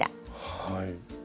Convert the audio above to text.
はい。